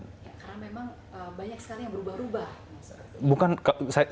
karena memang banyak sekali yang berubah rubah